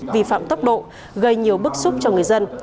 vi phạm tốc độ gây nhiều bức xúc cho người dân